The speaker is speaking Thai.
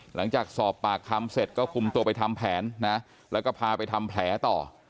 หลังจากสอบปากคำเสร็จก็คุมตัวไปทำแผนนะแล้วก็พาไปทำแผลต่อ